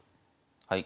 はい。